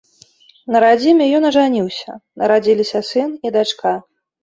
На радзіме ён ажаніўся, нарадзіліся сын і дачка.